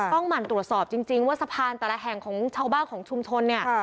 หมั่นตรวจสอบจริงว่าสะพานแต่ละแห่งของชาวบ้านของชุมชนเนี่ย